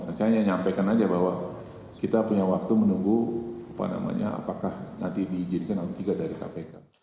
saya hanya nyampaikan aja bahwa kita punya waktu menunggu apakah nanti diizinkan atau tidak dari kpk